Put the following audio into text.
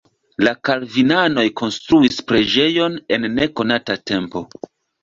La kalvinanoj konstruis preĝejon en nekonata tempo.